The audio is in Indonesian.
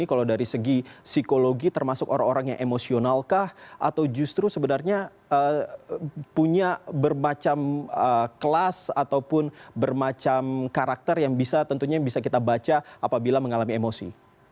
kalau dari segi psikologi termasuk orang orang yang emosionalkah atau justru sebenarnya punya bermacam kelas ataupun bermacam karakter yang bisa tentunya bisa kita baca apabila mengalami emosi